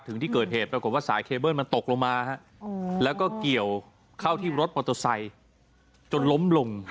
ถึงที่เกิดเหตุปรากฏว่าสายเคเบิ้ลมันตกลงมาแล้วก็เกี่ยวเข้าที่รถมอเตอร์ไซค์จนล้มลง